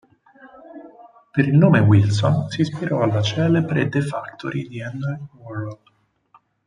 Per il nome Wilson si ispirò alla celebre The Factory di Andy Warhol.